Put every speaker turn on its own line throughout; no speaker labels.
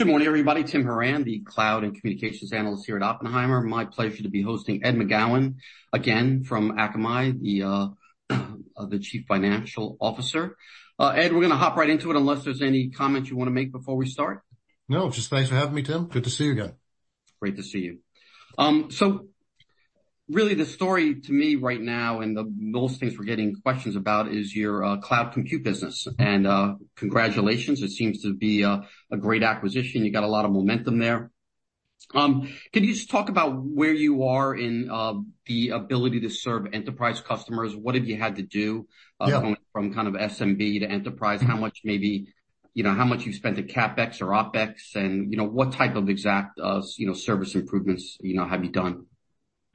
Good morning, everybody. Tim Horan, the cloud and communications analyst here at Oppenheimer. My pleasure to be hosting Ed McGowan, again, from Akamai, the Chief Financial Officer. Ed, we're gonna hop right into it unless there's any comments you wanna make before we start.
No, just thanks for having me, Tim. Good to see you again.
Great to see you. So really the story to me right now, and the most things we're getting questions about, is your cloud compute business. Congratulations, it seems to be a great acquisition. You got a lot of momentum there. Can you just talk about where you are in the ability to serve enterprise customers? What have you had to do-
Yeah
Going from kind of SMB to enterprise? How much maybe, you know, how much you've spent to CapEx or OpEx and, you know, what type of exact, you know, service improvements, you know, have you done?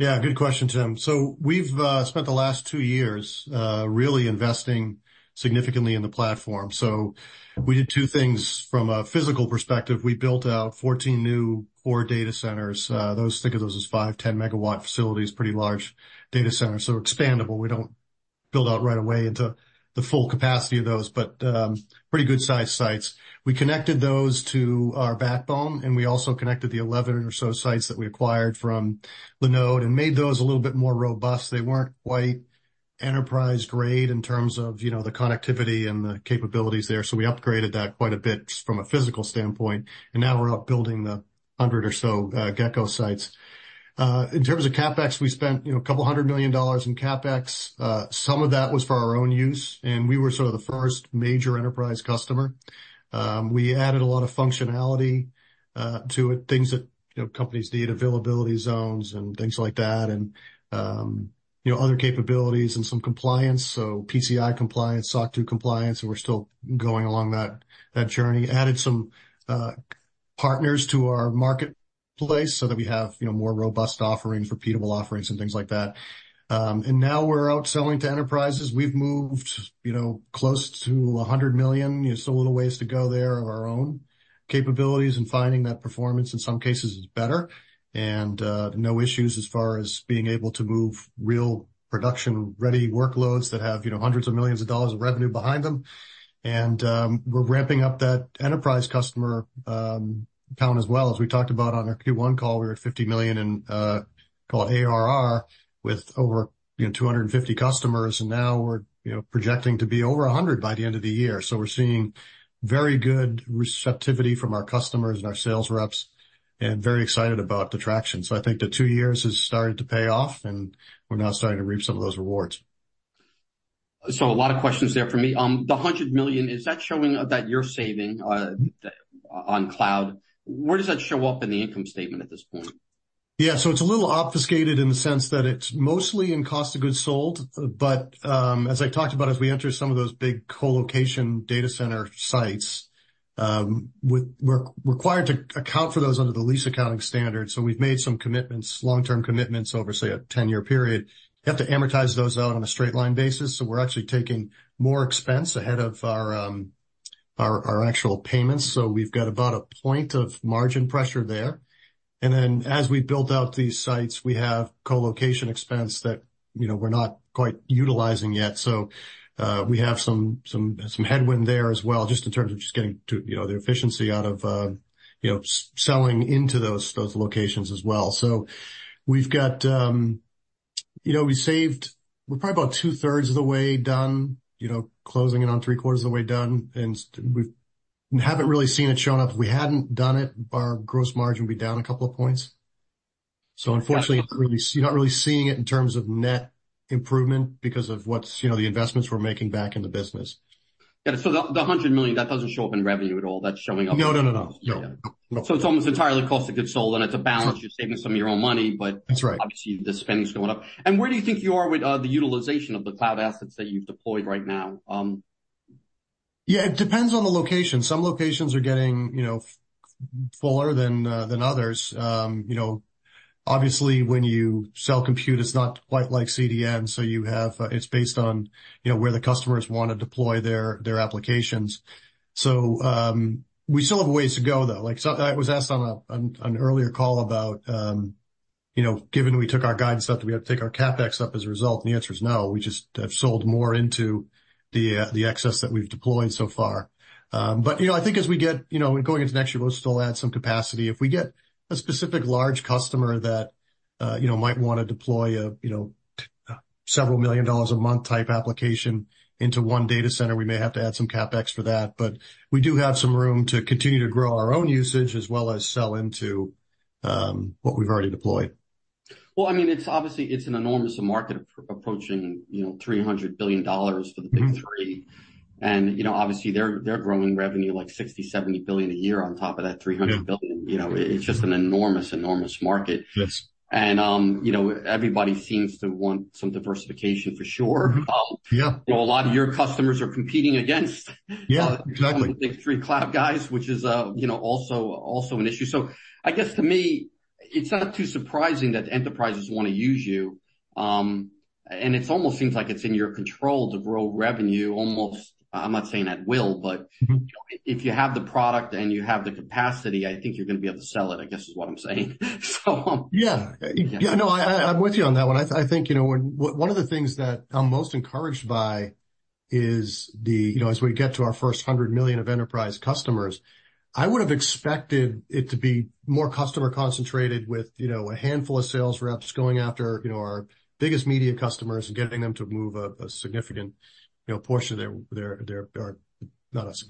Yeah, good question, Tim. So we've spent the last two years really investing significantly in the platform. So we did two things. From a physical perspective, we built out 14 new core data centers. Those, think of those as 5, 10-megawatt facilities, pretty large data centers, so expandable. We don't build out right away into the full capacity of those, but pretty good-sized sites. We connected those to our backbone, and we also connected the 11 or so sites that we acquired from Linode and made those a little bit more robust. They weren't quite enterprise-grade in terms of, you know, the connectivity and the capabilities there, so we upgraded that quite a bit from a physical standpoint, and now we're out building the 100 or so Gecko sites. In terms of CapEx, we spent, you know, $200 million in CapEx. Some of that was for our own use, and we were sort of the first major enterprise customer. We added a lot of functionality to it, things that, you know, companies need, availability zones and things like that, and, you know, other capabilities and some compliance, so PCI compliance, SOC 2 compliance, and we're still going along that journey. Added some partners to our marketplace so that we have, you know, more robust offerings, repeatable offerings, and things like that. And now we're out selling to enterprises. We've moved, you know, close to $100 million. There's still a little ways to go there of our own capabilities, and finding that performance in some cases is better, and, no issues as far as being able to move real production-ready workloads that have, you know, hundreds of millions of dollars of revenue behind them. And, we're ramping up that enterprise customer, count as well. As we talked about on our Q1 call, we were at $50 million in, call it ARR, with over, you know, 250 customers, and now we're, you know, projecting to be over 100 by the end of the year. So we're seeing very good receptivity from our customers and our sales reps, and very excited about the traction. So I think the 2 years is starting to pay off, and we're now starting to reap some of those rewards.
A lot of questions there for me. The $100 million, is that showing that you're saving on cloud? Where does that show up in the income statement at this point?
Yeah. So it's a little obfuscated in the sense that it's mostly in cost of goods sold. But, as I talked about, as we enter some of those big colocation data center sites, we're required to account for those under the lease accounting standard. So we've made some commitments, long-term commitments over, say, a 10-year period. You have to amortize those out on a straight line basis, so we're actually taking more expense ahead of our actual payments. So we've got about a point of margin pressure there. And then, as we build out these sites, we have colocation expense that, you know, we're not quite utilizing yet. So, we have some headwind there as well, just in terms of just getting to, you know, the efficiency out of, you know, selling into those locations as well. So we've got, you know, we saved... We're probably about two-thirds of the way done, you know, closing in on three-quarters of the way done, and we've, we haven't really seen it shown up. If we hadn't done it, our gross margin would be down a couple of points. So unfortunately-
Got it.
You're not really seeing it in terms of net improvement because of what's, you know, the investments we're making back in the business.
Got it. So the $100 million, that doesn't show up in revenue at all. That's showing up-
No, no, no, no.
Yeah.
No.
It's almost entirely cost of goods sold, and it's a balance.
Sure.
You're saving some of your own money, but-
That's right.
Obviously, the spending's going up. Where do you think you are with the utilization of the cloud assets that you've deployed right now?
Yeah, it depends on the location. Some locations are getting, you know, fuller than others. You know, obviously, when you sell compute, it's not quite like CDN, so you have It's based on, you know, where the customers wanna deploy their applications. So, we still have a ways to go, though. Like, so I was asked on an earlier call about, you know, given we took our guidance up, do we have to take our CapEx up as a result? And the answer is no. We just have sold more into the excess that we've deployed so far. But, you know, I think as we get, you know, going into next year, we'll still add some capacity. If we get a specific large customer that, you know, might wanna deploy a, you know, $several million a month type application into one data center, we may have to add some CapEx for that. But we do have some room to continue to grow our own usage, as well as sell into, what we've already deployed.
Well, I mean, it's obviously, it's an enormous market approaching, you know, $300 billion for the Big Three.
Mm-hmm.
You know, obviously, they're growing revenue like $60-$70 billion a year on top of that $300 billion.
Yeah.
You know, it's just an enormous, enormous market.
Yes.
You know, everybody seems to want some diversification for sure.
Mm-hmm. Yeah.
You know, a lot of your customers are competing against-
Yeah, exactly.
-the big three cloud guys, which is, you know, also, also an issue. So I guess to me, it's not too surprising that enterprises wanna use you. And it's almost seems like it's in your control to grow revenue almost, I'm not saying at will, but-
Mm-hmm...
if you have the product and you have the capacity, I think you're gonna be able to sell it, I guess, is what I'm saying. So,
Yeah. Yeah, no, I'm with you on that one. I think, you know, one of the things that I'm most encouraged by is the, you know, as we get to our first $100 million of enterprise customers, I would have expected it to be more customer concentrated with, you know, a handful of sales reps going after, you know, our biggest media customers and getting them to move a significant, you know, portion of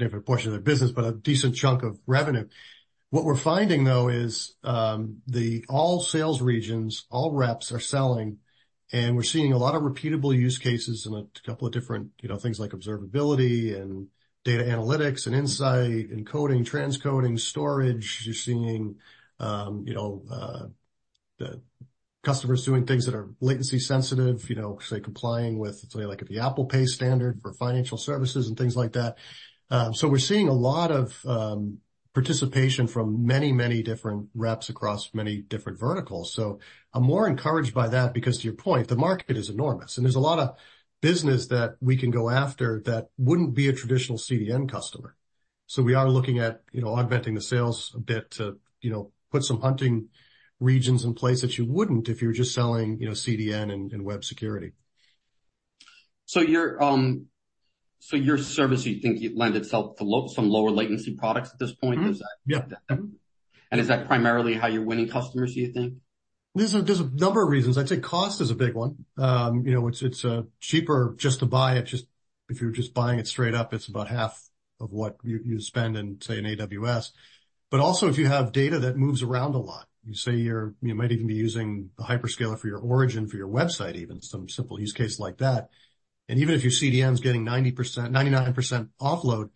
their business, but a decent chunk of revenue. What we're finding, though, is all sales regions, all reps are selling, and we're seeing a lot of repeatable use cases in a couple of different, you know, things like observability and data analytics and insight, encoding, transcoding, storage. You're seeing, you know, the customers doing things that are latency sensitive, you know, say, complying with something like the Apple Pay standard for financial services and things like that. So we're seeing a lot of participation from many, many different reps across many different verticals. So I'm more encouraged by that because to your point, the market is enormous, and there's a lot of business that we can go after that wouldn't be a traditional CDN customer. So we are looking at, you know, augmenting the sales a bit to, you know, put some hunting regions in place that you wouldn't if you were just selling, you know, CDN and, and web security.
So your service, you think it lend itself to some lower latency products at this point?
Mm-hmm. Yep.
Is that primarily how you're winning customers, do you think?
There's a number of reasons. I'd say cost is a big one. You know, cheaper just to buy it, just... If you're just buying it straight up, it's about half of what you spend in, say, in AWS. But also, if you have data that moves around a lot, you say you're, you might even be using a hyperscaler for your origin, for your website, even some simple use case like that. And even if your CDN is getting 90%, 99% offload,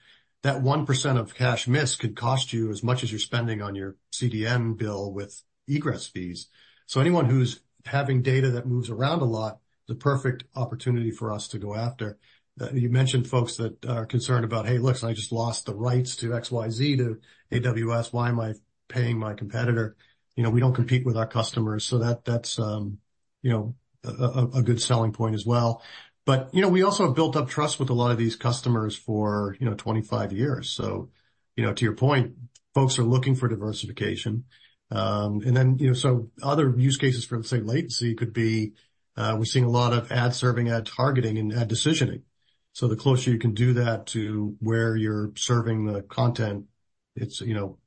that 1% of cache miss could cost you as much as you're spending on your CDN bill with egress fees. So anyone who's having data that moves around a lot, the perfect opportunity for us to go after. You mentioned folks that are concerned about, "Hey, look, I just lost the rights to XYZ, to AWS. Why am I paying my competitor?" You know, we don't compete with our customers, so that, that's, you know, a good selling point as well. But, you know, we also have built up trust with a lot of these customers for, you know, 25 years. So, you know, to your point, folks are looking for diversification. And then, you know, so other use cases for, say, latency could be, we're seeing a lot of ad serving, ad targeting, and ad decisioning. So the closer you can do that to where you're serving the content, it's, you know,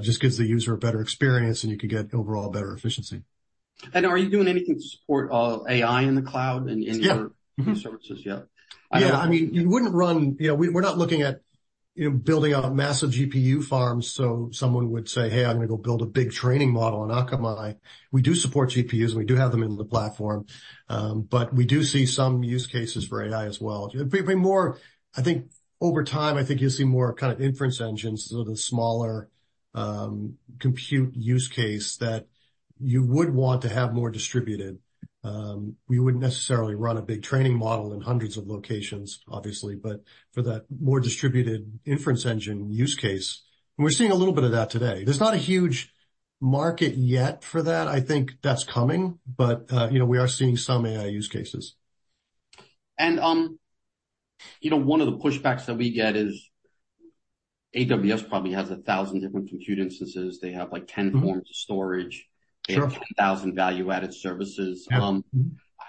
just gives the user a better experience, and you can get overall better efficiency.
Are you doing anything to support AI in the cloud and in-
Yeah.
your services yet?
Yeah. I mean, you wouldn't run... You know, we, we're not looking at, you know, building out a massive GPU farm, so someone would say, "Hey, I'm gonna go build a big training model on Akamai." We do support GPUs, and we do have them in the platform, but we do see some use cases for AI as well. It may be more, I think over time, I think you'll see more kind of inference engines, so the smaller, compute use case that you would want to have more distributed. We wouldn't necessarily run a big training model in hundreds of locations, obviously, but for that more distributed inference engine use case, and we're seeing a little bit of that today. There's not a huge market yet for that. I think that's coming, but, you know, we are seeing some AI use cases.
You know, one of the pushbacks that we get is AWS probably has 1,000 different compute instances. They have, like, 10 forms-
Mm-hmm.
of storage.
Sure.
They have 10,000 value-added services.
Yeah. Mm-hmm.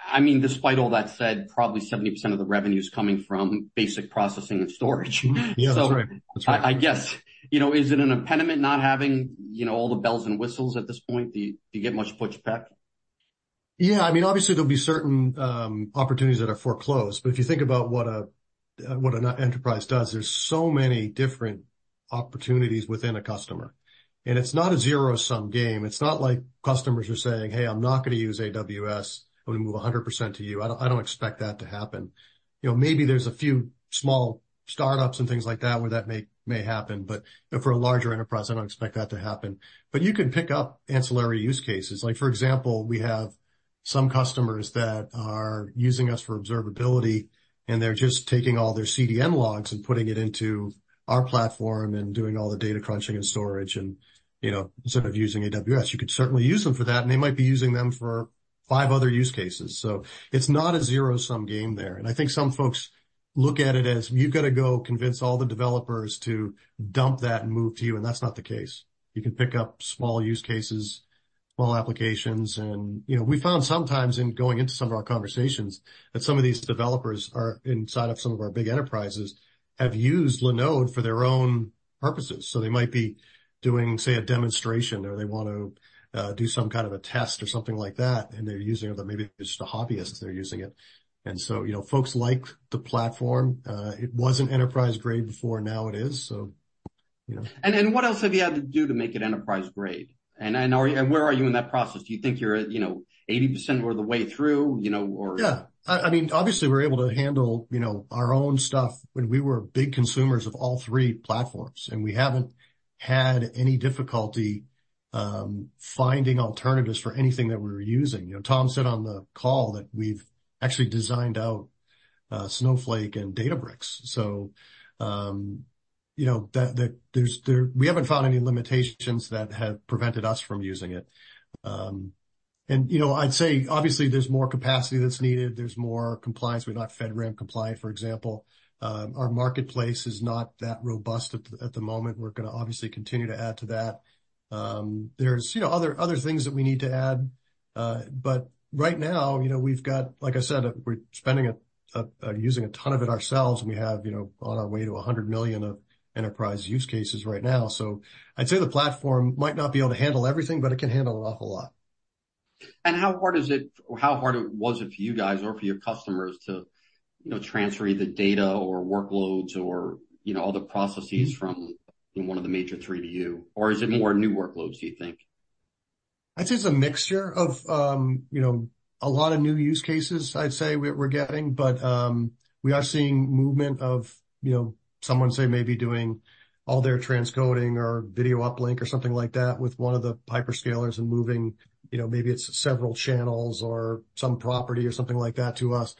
I mean, despite all that said, probably 70% of the revenue is coming from basic processing and storage.
Yeah, that's right. That's right.
I guess, you know, is it an impediment not having, you know, all the bells and whistles at this point? Do you get much pushback?
Yeah. I mean, obviously, there'll be certain opportunities that are foreclosed, but if you think about what a, what an enterprise does, there's so many different opportunities within a customer. And it's not a zero-sum game. It's not like customers are saying, "Hey, I'm not gonna use AWS. I'm gonna move 100% to you." I don't, I don't expect that to happen. You know, maybe there's a few small startups and things like that where that may, may happen, but for a larger enterprise, I don't expect that to happen. But you can pick up ancillary use cases. Like, for example, we have some customers that are using us for observability, and they're just taking all their CDN logs and putting it into our platform and doing all the data crunching and storage. And, you know, instead of using AWS, you could certainly use them for that, and they might be using them for five other use cases. So it's not a zero-sum game there. And I think some folks look at it as, "You've got to go convince all the developers to dump that and move to you," and that's not the case. You can pick up small use cases, small applications, and, you know, we found sometimes in going into some of our conversations that some of these developers are inside of some of our big enterprises have used Linode for their own purposes. So they might be doing, say, a demonstration, or they want to, do some kind of a test or something like that, and they're using it, or maybe it's just a hobbyist, they're using it. And so, you know, folks like the platform. It wasn't enterprise-grade before, now it is. So, you know.
And what else have you had to do to make it enterprise-grade? And then, are you and where are you in that process? Do you think you're at, you know, 80% of the way through, you know, or?
Yeah. I mean, obviously, we're able to handle, you know, our own stuff when we were big consumers of all three platforms, and we haven't had any difficulty finding alternatives for anything that we're using. You know, Tom said on the call that we've actually designed out Snowflake and Databricks. So, you know, that we haven't found any limitations that have prevented us from using it. And, you know, I'd say, obviously, there's more capacity that's needed. There's more compliance. We're not FedRAMP compliant, for example. Our marketplace is not that robust at the moment. We're gonna obviously continue to add to that. There's, you know, other things that we need to add.... But right now, you know, we've got, like I said, using a ton of it ourselves, and we have, you know, on our way to 100 million enterprise use cases right now. So I'd say the platform might not be able to handle everything, but it can handle an awful lot.
How hard is it, or how hard was it for you guys or for your customers to, you know, transfer the data or workloads or, you know, all the processes from one of the major three to you? Or is it more new workloads, do you think?
I'd say it's a mixture of, you know, a lot of new use cases, I'd say we're getting, but, we are seeing movement of, you know, someone, say, maybe doing all their transcoding or video uplink or something like that with one of the hyperscalers and moving, you know, maybe it's several channels or some property or something like that to us.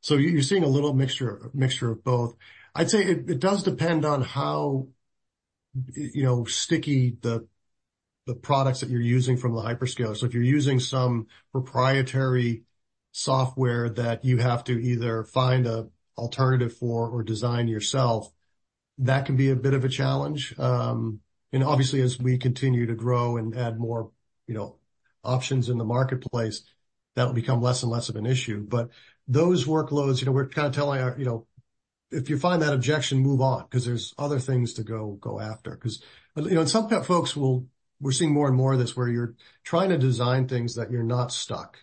So you're seeing a little mixture, mixture of both. I'd say it does depend on how, you know, sticky the products that you're using from the hyperscaler. So if you're using some proprietary software that you have to either find a alternative for or design yourself, that can be a bit of a challenge. And obviously, as we continue to grow and add more, you know, options in the marketplace, that will become less and less of an issue. But those workloads, you know, we're kind of telling our... You know, if you find that objection, move on, 'cause there's other things to go after. 'Cause, you know, and some folks will. We're seeing more and more of this, where you're trying to design things that you're not stuck,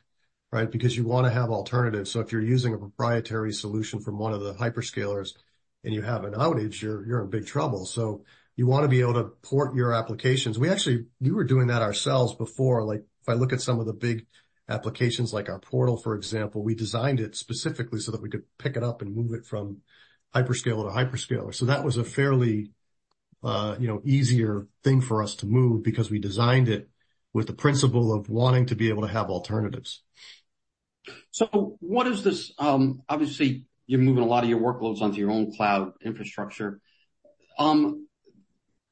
right? Because you want to have alternatives. So if you're using a proprietary solution from one of the hyperscalers and you have an outage, you're in big trouble, so you want to be able to port your applications. We actually. We were doing that ourselves before. Like, if I look at some of the big applications, like our portal, for example, we designed it specifically so that we could pick it up and move it from hyperscaler to hyperscaler. That was a fairly, you know, easier thing for us to move because we designed it with the principle of wanting to be able to have alternatives.
So what is this, obviously, you're moving a lot of your workloads onto your own cloud infrastructure.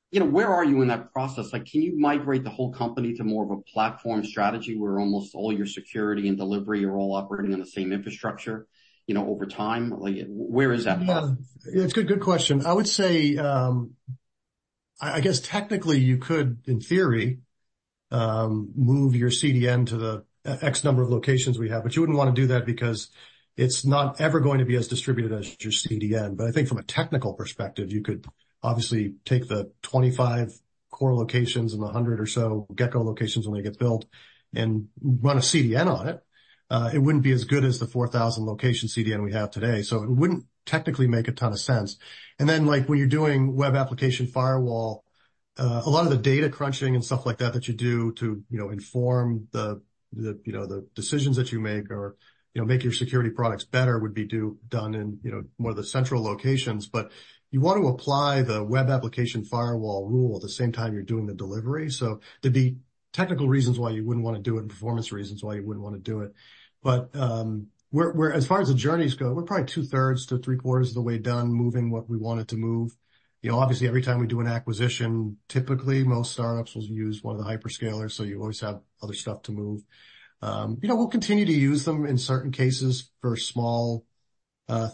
You know, where are you in that process? Like, can you migrate the whole company to more of a platform strategy, where almost all your security and delivery are all operating on the same infrastructure, you know, over time? Like, where is that process?
Well, it's a good question. I would say, I guess technically you could, in theory, move your CDN to the x number of locations we have, but you wouldn't want to do that because it's not ever going to be as distributed as your CDN. But I think from a technical perspective, you could obviously take the 25 core locations and the 100 or so Gecko locations when they get built and run a CDN on it. It wouldn't be as good as the 4,000 location CDN we have today, so it wouldn't technically make a ton of sense. And then, like, when you're doing web application firewall, a lot of the data crunching and stuff like that, that you do to, you know, inform the, you know, the decisions that you make or, you know, make your security products better, would be done in, you know, one of the central locations. But you want to apply the web application firewall rule at the same time you're doing the delivery. So there'd be technical reasons why you wouldn't want to do it, and performance reasons why you wouldn't want to do it. But, we're—as far as the journeys go, we're probably two-thirds to three-quarters of the way done moving what we wanted to move. You know, obviously, every time we do an acquisition, typically, most startups will use one of the hyperscalers, so you always have other stuff to move. You know, we'll continue to use them in certain cases for small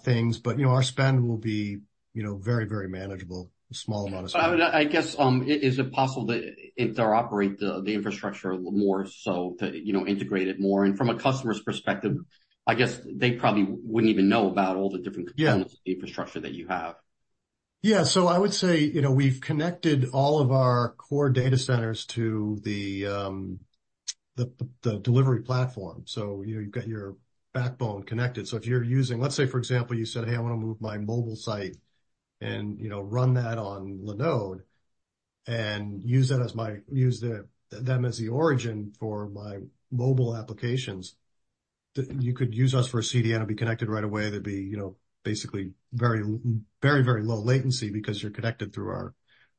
things, but, you know, our spend will be, you know, very, very manageable, a small amount of spend.
But I would, I guess, is it possible to interoperate the, the infrastructure a little more so that, you know, integrate it more? And from a customer's perspective, I guess they probably wouldn't even know about all the different-
Yeah...
components of the infrastructure that you have.
Yeah. So I would say, you know, we've connected all of our core data centers to the delivery platform, so, you know, you've got your backbone connected. So if you're using... Let's say, for example, you said, "Hey, I want to move my mobile site and, you know, run that on Linode and use that as my—use them as the origin for my mobile applications." You could use us for a CDN and be connected right away. There'd be, you know, basically very, very, very low latency because you're connected through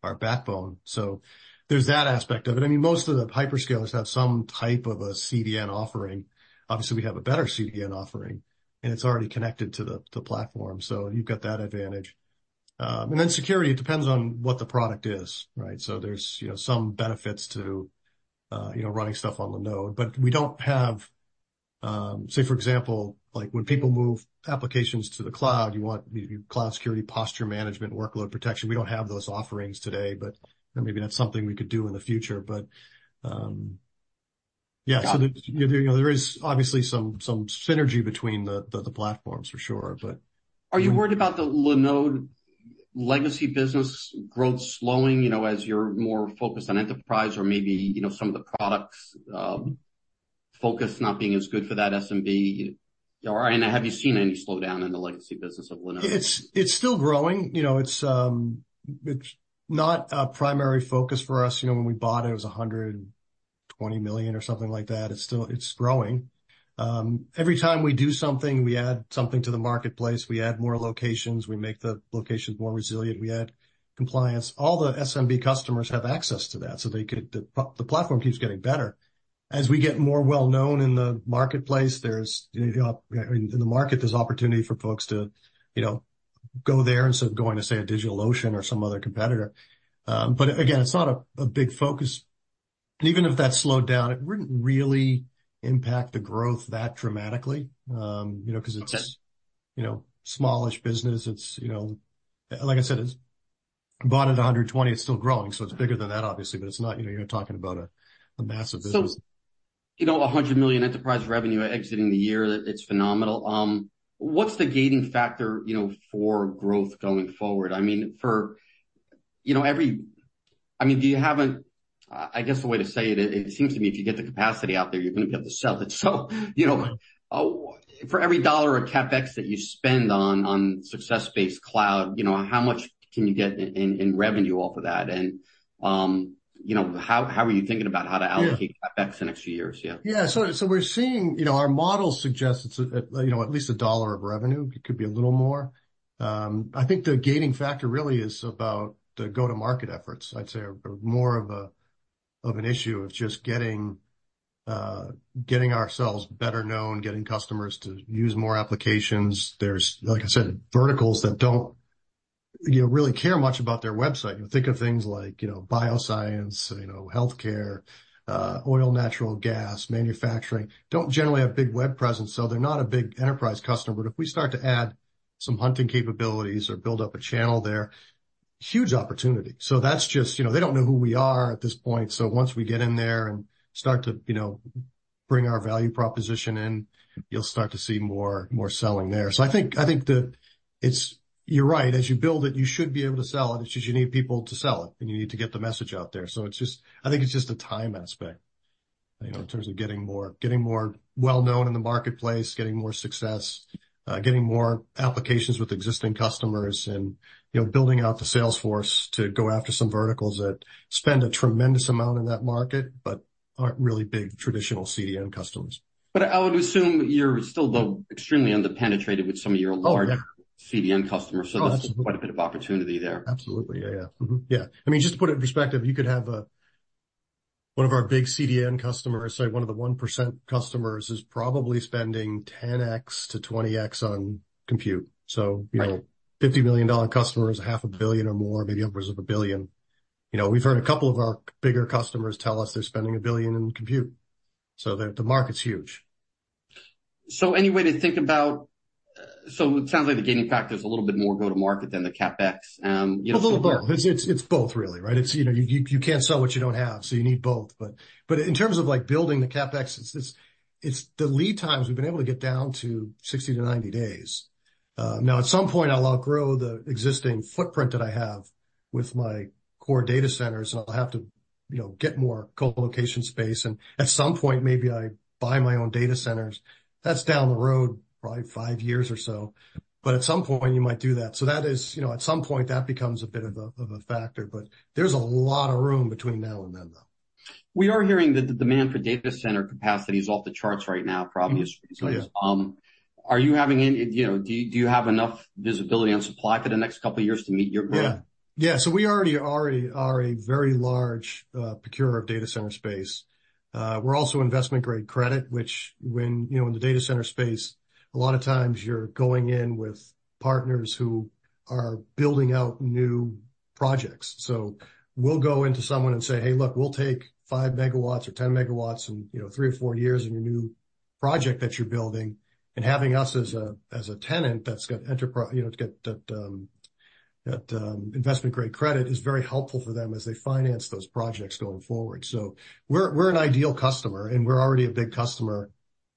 our backbone. So there's that aspect of it. I mean, most of the hyperscalers have some type of a CDN offering. Obviously, we have a better CDN offering, and it's already connected to the platform, so you've got that advantage. And then security, it depends on what the product is, right? So there's, you know, some benefits to, you know, running stuff on Linode, but we don't have... Say, for example, like, when people move applications to the cloud, you want your cloud security, posture management, workload protection. We don't have those offerings today, but, you know, maybe that's something we could do in the future. But, yeah-
Yeah...
so, you know, there is obviously some synergy between the platforms for sure but-
Are you worried about the Linode legacy business growth slowing, you know, as you're more focused on enterprise or maybe, you know, some of the products, focus not being as good for that SMB? Or, and have you seen any slowdown in the legacy business of Linode?
It's still growing. You know, it's not a primary focus for us. You know, when we bought it, it was $120 million or something like that. It's still growing. Every time we do something, we add something to the marketplace, we add more locations, we make the locations more resilient, we add compliance. All the SMB customers have access to that, so they could. The platform keeps getting better. As we get more well known in the marketplace, there's, you know, in the market, there's opportunity for folks to, you know, go there instead of going to, say, a DigitalOcean or some other competitor. But again, it's not a big focus. Even if that slowed down, it wouldn't really impact the growth that dramatically, you know, 'cause it's-
Okay...
you know, smallish business. It's, you know, like I said, it's bought at $120, it's still growing, so it's bigger than that, obviously, but it's not, you know, you're talking about a massive business.
So, you know, $100 million enterprise revenue exiting the year, it's phenomenal. What's the gating factor, you know, for growth going forward? I mean, for, you know, every-- I mean, do you have an... I guess the way to say it is, it seems to me if you get the capacity out there, you're going to be able to sell it. So, you know, for every dollar of CapEx that you spend on success-based cloud, you know, how much can you get in revenue off of that? And, you know, how are you thinking about how to allocate-
Yeah.
CapEx in the next few years? Yeah.
Yeah. So, so we're seeing, you know, our model suggests it's, you know, at least $1 of revenue. It could be a little more. I think the gating factor really is about the go-to-market efforts. I'd say are more of a, of an issue of just getting, getting ourselves better known, getting customers to use more applications. There's, like I said, verticals that don't, you know, really care much about their website. You think of things like, you know, bioscience, you know, healthcare, oil, natural gas, manufacturing, don't generally have big web presence, so they're not a big enterprise customer. But if we start to add some hunting capabilities or build up a channel there, huge opportunity. So that's just... You know, they don't know who we are at this point. So once we get in there and start to, you know, bring our value proposition in, you'll start to see more, more selling there. So I think, I think it's, you're right. As you build it, you should be able to sell it. It's just you need people to sell it, and you need to get the message out there. So it's just, I think it's just a time aspect, you know, in terms of getting more, getting more well-known in the marketplace, getting more success, getting more applications with existing customers and, you know, building out the sales force to go after some verticals that spend a tremendous amount in that market but aren't really big traditional CDN customers.
But I would assume you're still, though, extremely underpenetrated with some of your larger-
Oh, yeah.
CDN customers, so that's-
Absolutely.
Quite a bit of opportunity there.
Absolutely. Yeah, yeah. Mm-hmm. Yeah. I mean, just to put it in perspective, you could have a one of our big CDN customers, say, one of the 1% customers, is probably spending 10x-20x on compute.
Right.
So, you know, $50 million customer is $500 million or more, maybe upwards of $1 billion. You know, we've heard a couple of our bigger customers tell us they're spending $1 billion in compute, so the market's huge.
It sounds like the gaining factor is a little bit more go-to-market than the CapEx, you know-
A little both. It's both really, right? It's, you know, you can't sell what you don't have, so you need both. But in terms of, like, building the CapEx, it's the lead times, we've been able to get down to 60-90 days. Now, at some point, I'll outgrow the existing footprint that I have with my core data centers, and I'll have to, you know, get more colocation space, and at some point, maybe I buy my own data centers. That's down the road, probably 5 years or so, but at some point, you might do that. So that is, you know, at some point, that becomes a bit of a factor, but there's a lot of room between now and then, though.
We are hearing that the demand for data center capacity is off the charts right now, probably.
Yeah.
Are you having any, you know, do you have enough visibility on supply for the next couple of years to meet your growth?
Yeah. Yeah, so we already are a very large procurer of data center space. We're also investment-grade credit, which when, you know, in the data center space, a lot of times you're going in with partners who are building out new projects. So we'll go into someone and say, "Hey, look, we'll take 5 MW or 10 MW in, you know, 3 or 4 years in your new project that you're building." And having us as a tenant, that's got enterprise, you know, to get that investment-grade credit, is very helpful for them as they finance those projects going forward. So we're an ideal customer, and we're already a big customer.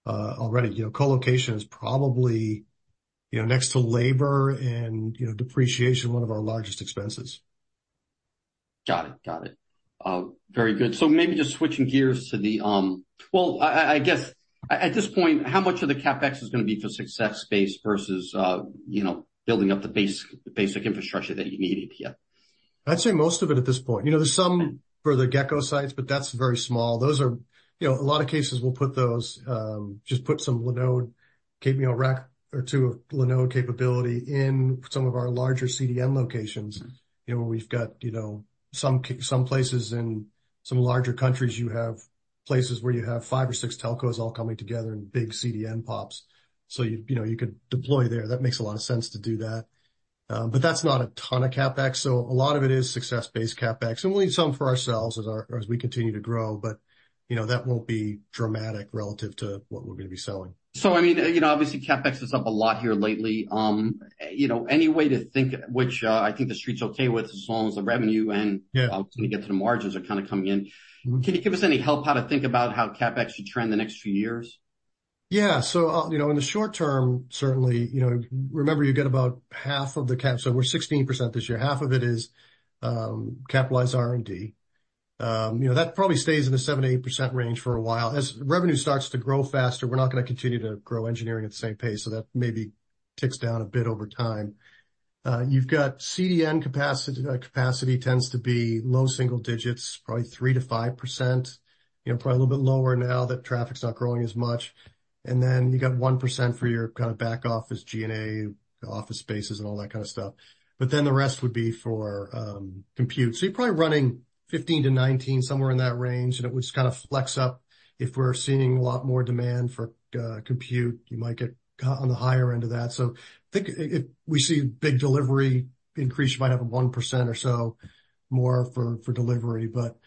You know, colocation is probably, you know, next to labor and, you know, depreciation, one of our largest expenses.
Got it. Got it. Very good. So maybe just switching gears to the... Well, I guess at this point, how much of the CapEx is going to be for success space versus, you know, building up the basic, basic infrastructure that you needed? Yeah.
I'd say most of it at this point. You know, there's some for the Gecko sites, but that's very small. Those are... You know, a lot of cases, we'll put those, just put some Linode cap, you know, rack or two of Linode capability in some of our larger CDN locations.
Mm-hmm.
You know, we've got, you know, some places in some larger countries, you have places where you have five or six telcos all coming together in big CDN PoPs. So you, you know, you could deploy there. That makes a lot of sense to do that. But that's not a ton of CapEx, so a lot of it is success-based CapEx, and we need some for ourselves as our, as we continue to grow, but, you know, that won't be dramatic relative to what we're going to be selling.
So, I mean, you know, obviously, CapEx is up a lot here lately. You know, any way to think, which, I think the street's okay with, as long as the revenue and-
Yeah
When you get to the margins are kind of coming in.
Mm-hmm.
Can you give us any help how to think about how CapEx should trend the next few years?
Yeah. So, you know, in the short term, certainly, you know, remember, you get about half of the CapEx, so we're 16% this year. Half of it is capitalized R&D. You know, that probably stays in the 7%-8% range for a while. As revenue starts to grow faster, we're not gonna continue to grow engineering at the same pace, so that maybe ticks down a bit over time. You've got CDN capacity, capacity tends to be low single digits, probably 3%-5%, you know, probably a little bit lower now that traffic's not growing as much. And then, you got 1% for your kind of back office, G&A, office spaces, and all that kind of stuff. But then the rest would be for compute. So you're probably running 15-19, somewhere in that range, and it would kind of flex up if we're seeing a lot more demand for compute. You might get on the higher end of that. So I think if we see big delivery increase, you might have a 1% or so more for delivery, but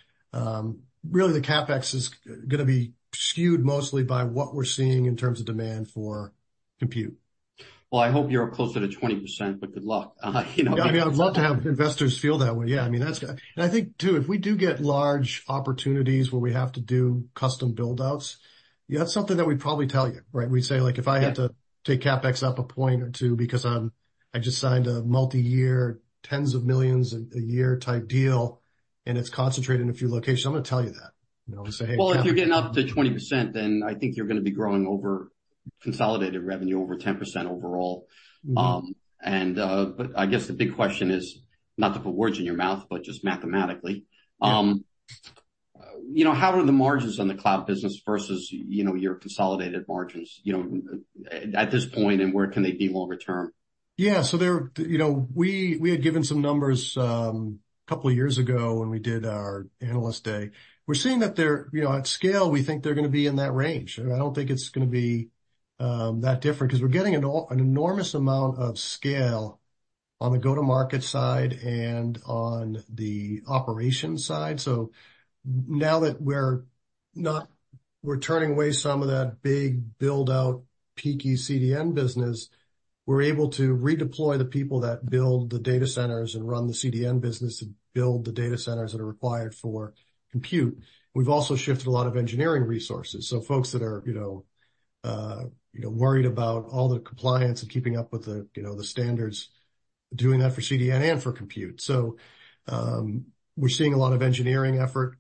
really, the CapEx is gonna be skewed mostly by what we're seeing in terms of demand for-...
compute. Well, I hope you're closer to 20%, but good luck. You know-
Yeah, I mean, I'd love to have investors feel that way. Yeah, I mean, that's. And I think, too, if we do get large opportunities where we have to do custom build-outs, yeah, that's something that we'd probably tell you, right? We'd say, like, if I had to-
Yeah
take CapEx up a point or two because I'm - I just signed a multiyear, $10s of millions a year type deal, and it's concentrated in a few locations, I'm gonna tell you that. You know, I'll say, "Hey, CapEx-
Well, if you're getting up to 20%, then I think you're gonna be growing over consolidated revenue over 10% overall.
Mm-hmm.
But I guess the big question is, not to put words in your mouth, but just mathematically-
Yeah ...
you know, how are the margins on the cloud business versus, you know, your consolidated margins, you know, at this point, and where can they be longer term?
Yeah. So there, you know, we had given some numbers a couple of years ago when we did our analyst day. We're seeing that they're, you know, at scale, we think they're gonna be in that range. I don't think it's gonna be that different, 'cause we're getting an enormous amount of scale on the go-to-market side and on the operations side. So now that we're not, we're turning away some of that big build-out, peaky CDN business, we're able to redeploy the people that build the data centers and run the CDN business and build the data centers that are required for compute. We've also shifted a lot of engineering resources. So folks that are, you know, you know, worried about all the compliance and keeping up with the, you know, the standards, doing that for CDN and for compute. So, we're seeing a lot of engineering effort,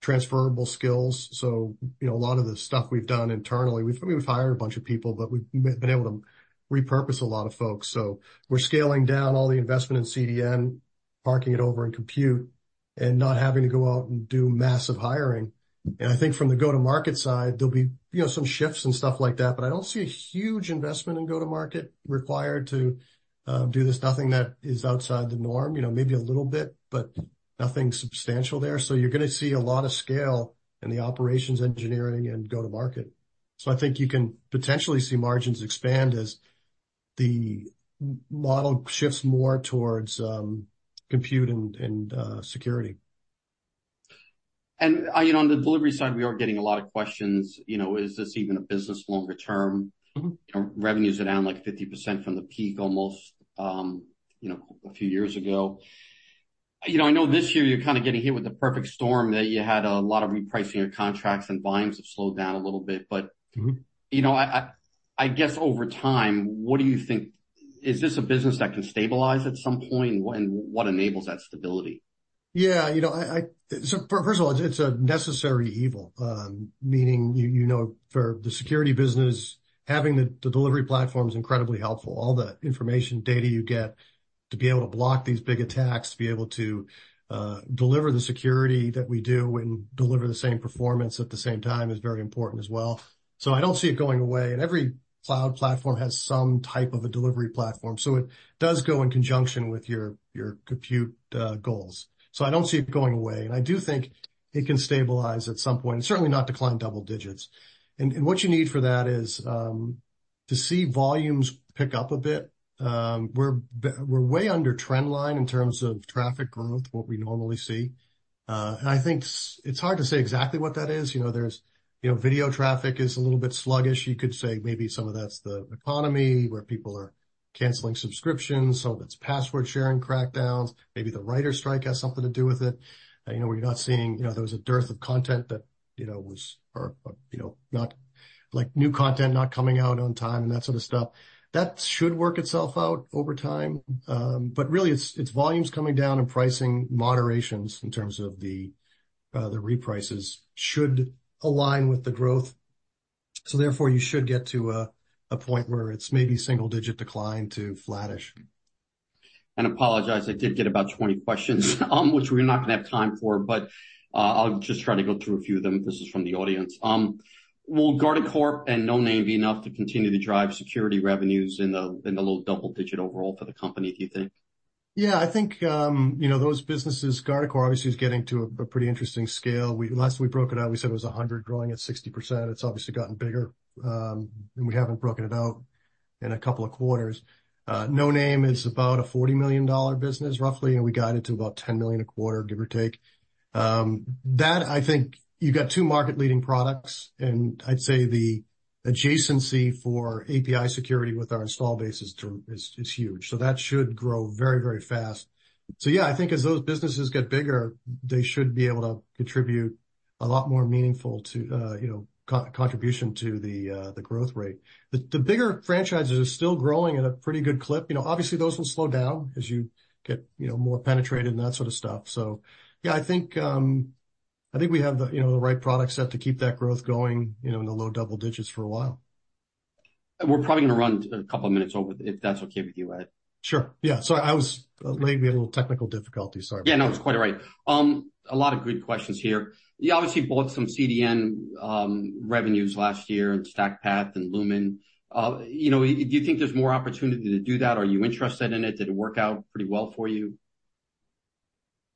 transferable skills. So, you know, a lot of the stuff we've done internally, we've hired a bunch of people, but we've been able to repurpose a lot of folks. So we're scaling down all the investment in CDN, parking it over in compute, and not having to go out and do massive hiring. And I think from the go-to-market side, there'll be, you know, some shifts and stuff like that, but I don't see a huge investment in go-to-market required to do this. Nothing that is outside the norm, you know, maybe a little bit, but nothing substantial there. So you're gonna see a lot of scale in the operations, engineering, and go-to-market. So I think you can potentially see margins expand as the model shifts more towards compute and security.
You know, on the delivery side, we are getting a lot of questions, you know, is this even a business longer term?
Mm-hmm.
Revenues are down, like, 50% from the peak, almost, you know, a few years ago. You know, I know this year you're kind of getting hit with the perfect storm, that you had a lot of repricing your contracts and volumes have slowed down a little bit.
Mm-hmm.
But, you know, I guess over time, what do you think, is this a business that can stabilize at some point? And what enables that stability?
Yeah. You know, first of all, it's a necessary evil, meaning, you know, for the security business, having the delivery platform is incredibly helpful. All the information data you get to be able to block these big attacks, to be able to deliver the security that we do and deliver the same performance at the same time is very important as well. So I don't see it going away. And every cloud platform has some type of a delivery platform, so it does go in conjunction with your compute goals. So I don't see it going away, and I do think it can stabilize at some point, and certainly not decline double digits. And what you need for that is to see volumes pick up a bit. We're way under trend line in terms of traffic growth, what we normally see. I think it's hard to say exactly what that is. You know, there's, you know, video traffic is a little bit sluggish. You could say maybe some of that's the economy, where people are canceling subscriptions, some of it's password-sharing crackdowns, maybe the writers' strike has something to do with it. You know, we're not seeing you know, there was a dearth of content that, you know, was, or, you know, not like new content not coming out on time and that sort of stuff. That should work itself out over time, but really, it's volumes coming down and pricing moderations in terms of the reprices should align with the growth. So, therefore, you should get to a point where it's maybe single digit decline to flattish.
Apologize, I did get about 20 questions, which we're not gonna have time for, but, I'll just try to go through a few of them. This is from the audience. Will Guardicore and Noname be enough to continue to drive security revenues in the low double digit overall for the company, do you think?
Yeah. I think, you know, those businesses, Guardicore, obviously, is getting to a pretty interesting scale. We-- last we broke it out, we said it was 100, growing at 60%. It's obviously gotten bigger, and we haven't broken it out in a couple of quarters. Noname is about a $40 million business, roughly, and we guide it to about $10 million a quarter, give or take. That, I think you've got two market-leading products, and I'd say the adjacency for API security with our install base is huge. So that should grow very, very fast. So yeah, I think as those businesses get bigger, they should be able to contribute a lot more meaningful to, you know, contribution to the growth rate. The bigger franchises are still growing at a pretty good clip. You know, obviously, those will slow down as you get, you know, more penetrated and that sort of stuff. So yeah, I think, I think we have the, you know, the right product set to keep that growth going, you know, in the low double digits for a while.
We're probably gonna run a couple of minutes over, if that's okay with you, Ed?
Sure. Yeah. So I was—maybe a little technical difficulty. Sorry about that.
Yeah, no, it's quite all right. A lot of good questions here. You obviously bought some CDN revenues last year in StackPath and Lumen. You know, do you think there's more opportunity to do that? Are you interested in it? Did it work out pretty well for you?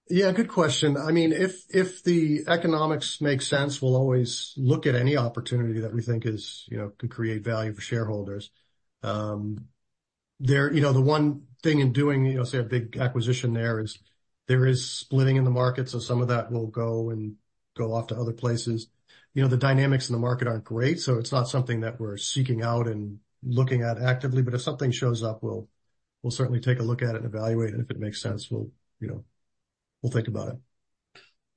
Yeah, good question. I mean, if the economics make sense, we'll always look at any opportunity that we think is, you know, could create value for shareholders. There, you know, the one thing in doing, you know, say, a big acquisition there is splitting in the market, so some of that will go off to other places. You know, the dynamics in the market aren't great, so it's not something that we're seeking out and looking at actively, but if something shows up, we'll certainly take a look at it and evaluate it. If it makes sense, we'll, you know, we'll think about it.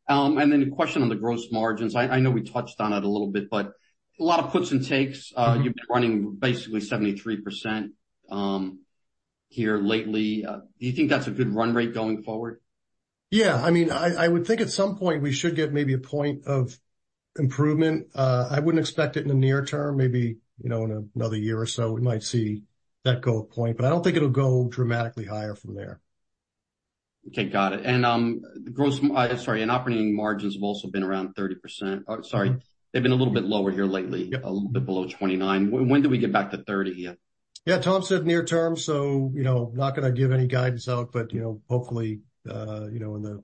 Then a question on the gross margins. I know we touched on it a little bit, but a lot of puts and takes.
Mm-hmm.
You've been running basically 73% here lately. Do you think that's a good run rate going forward?
Yeah. I mean, I would think at some point, we should get maybe a point of improvement. I wouldn't expect it in the near term. Maybe, you know, in another year or so, we might see that go a point, but I don't think it'll go dramatically higher from there.
Okay, got it. And, the operating margins have also been around 30%.
Mm-hmm.
Sorry, they've been a little bit lower here lately.
Yep.
A little bit below 29. When, when do we get back to 30?
Yeah, Tom said near term, so you know, not gonna give any guidance out, but, you know, hopefully, you know, in the,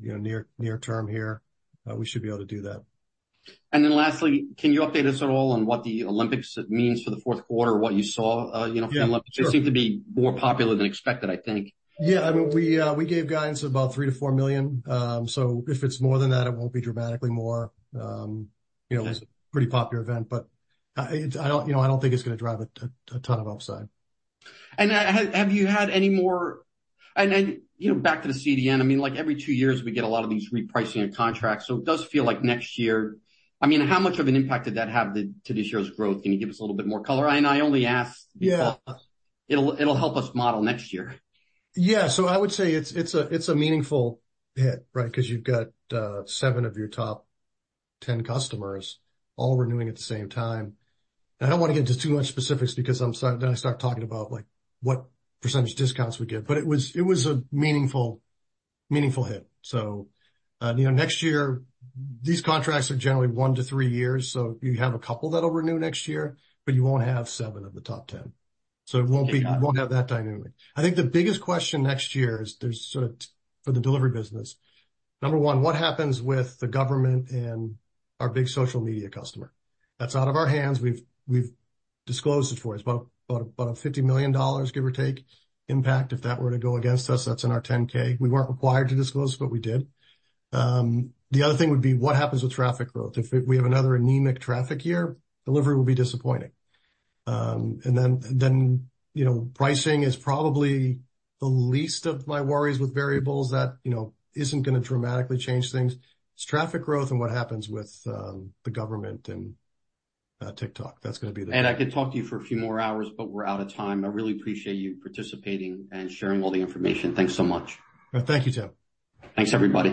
you know, near, near term here, we should be able to do that.
And then lastly, can you update us at all on what the Olympics means for the fourth quarter, what you saw, you know, from Olympics?
Yeah, sure.
They seem to be more popular than expected, I think.
Yeah. I mean, we, we gave guidance about $3 million-$4 million. So if it's more than that, it won't be dramatically more. You know-
Okay...
it's a pretty popular event, but I don't, you know, I don't think it's gonna drive a ton of upside.
And, have you had any more, and then, you know, back to the CDN, I mean, like, every two years, we get a lot of these repricing of contracts, so it does feel like next year... I mean, how much of an impact did that have to this year's growth? Can you give us a little bit more color? And I only ask-
Yeah...
because it'll help us model next year.
Yeah. So I would say it's a meaningful hit, right? 'Cause you've got 7 of your top 10 customers all renewing at the same time. And I don't wanna get into too much specifics because then I start talking about, like, what percentage discounts we get. But it was, it was a meaningful, meaningful hit. So, you know, next year, these contracts are generally 1 to 3 years, so you have a couple that'll renew next year, but you won't have 7 of the top 10.
Okay, got it.
So it won't be, you won't have that dynamic. I think the biggest question next year is, for the delivery business, number one, what happens with the government and our big social media customer? That's out of our hands. We've disclosed it for you. It's about a $50 million, give or take, impact if that were to go against us. That's in our 10-K. We weren't required to disclose, but we did. The other thing would be, what happens with traffic growth? If we have another anemic traffic year, delivery will be disappointing. And then, you know, pricing is probably the least of my worries with variables that, you know, isn't gonna dramatically change things. It's traffic growth and what happens with the government and TikTok, that's gonna be the-
I could talk to you for a few more hours, but we're out of time. I really appreciate you participating and sharing all the information. Thanks so much.
Thank you, Tim.
Thanks, everybody.